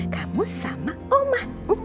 kamu sama oma